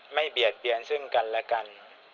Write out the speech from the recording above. เบียดเบียนซึ่งกันและกัน